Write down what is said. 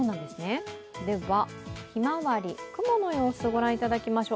では、ひまわり、雲の様子御覧いただきましょう。